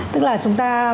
tức là chúng ta